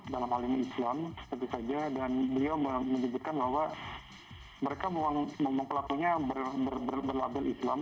tapi islam seperti saja dan beliau menyebutkan bahwa mereka memang pelakunya berlabel islam